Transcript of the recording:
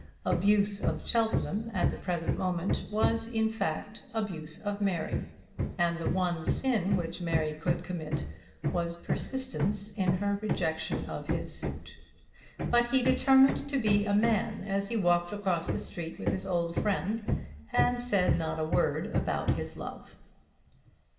Abuse of Cheltenham at the present moment was in fact abuse of Mary; and the one sin which Mary could commit was persistence in her rejection of his suit. But he determined to be a man as he walked across the street with his old friend, and said not a word about his love.